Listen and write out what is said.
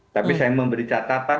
tapi saya memberi catatan